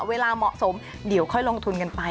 เวลาเหมาะสมเดี๋ยวค่อยลงทุนกันไป